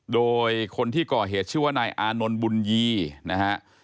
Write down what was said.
โดยคนที่ก่อเหตุชื่อว่านายอานนท์บุญยีนะฮะ